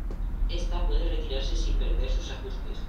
Ésta puede retirarse sin perder sus ajustes.